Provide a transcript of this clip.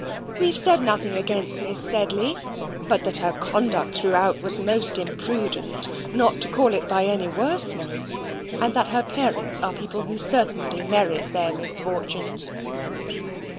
"We've said nothing against Miss Sedley: but that her conduct throughout was MOST IMPRUDENT, not to call it by any worse name; and that her parents are people who certainly merit their misfortunes."